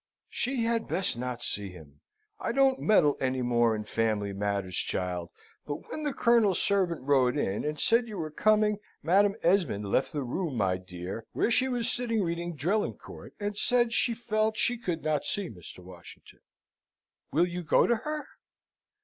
"She had best not see him. I don't meddle any more in family matters, child: but when the Colonel's servant rode in, and said you were coming, Madam Esmond left this room, my dear, where she was sitting reading Drelincourt, and said she felt she could not see Mr. Washington. Will you go to her?"